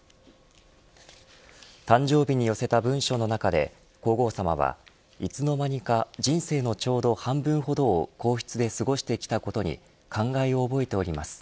誕生日に寄せた文書の中で皇后さまはいつの間にか人生のちょうど半分ほどを皇室で過ごしてきたことに感慨を覚えております。